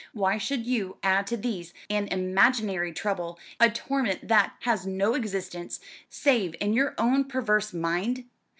Why should you add to these an imaginary trouble, a torment that has no existence, save in your own perverse mind?